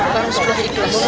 tapi sudah ikhlas